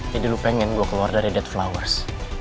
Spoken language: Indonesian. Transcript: jadi lo pengen gue keluar dari deadflowers